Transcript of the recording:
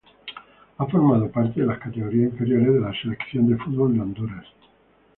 Ha formado parte de las categorías inferiores de la Selección de fútbol de Honduras.